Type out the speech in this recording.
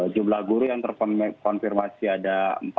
jumlah guru yang terkonfirmasi ada empat